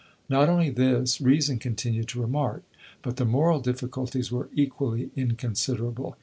Not only this, reason continued to remark; but the moral difficulties were equally inconsiderable.